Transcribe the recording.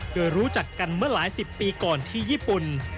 โดยรู้จักกันเมื่อหลายสิบปีก่อนที่ญี่ปุ่น